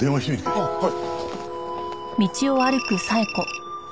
あっはい。